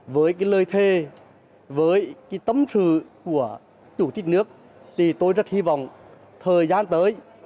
với lời thề với tấm sự của chủ tịch nước tôi rất hy vọng thời gian tới